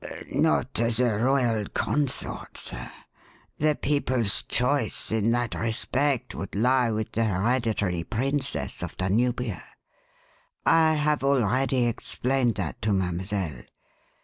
"Not as a royal consort, sir. The people's choice in that respect would lie with the hereditary princess of Danubia. I have already explained that to Mademoiselle.